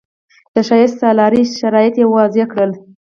د شایسته سالارۍ شرایط یې وضع کړل.